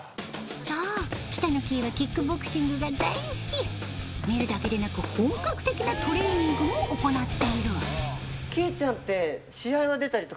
そう北乃きいはキックボクシングが大好き見るだけでなく本格的なトレーニングも行っているそれが。